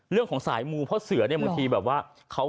เรื่องของสายมูเพราะเสือเนี่ยบางทีแบบว่าเขา